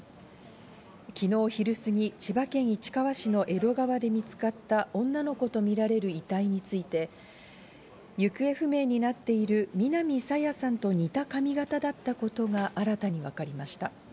昨日昼過ぎ、千葉県市川市の江戸川で見つかった女の子とみられる遺体について、行方不明になっている南朝芽さんと似た髪形だったことが新たに分かりました。